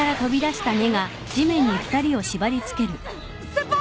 先輩！